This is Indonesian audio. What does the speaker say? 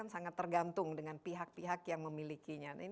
sangat tergantung dengan pihak pihak yang memilikinya